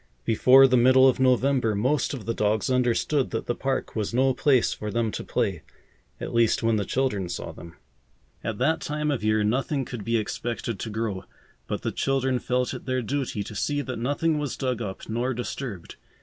Before the middle of November most of the dogs understood that the park was no place for them to play, at least when the children saw them. At that time of year nothing could be expected to grow, but the children felt it their duty to see that nothing was dug up nor disturbed.